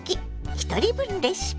ひとり分レシピ」。